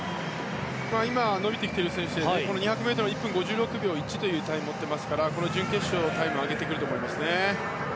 今、伸びてきている選手で２００ｍ、１分５６秒１というタイムを持っていますからこの準決勝もタイムを上げてくると思います。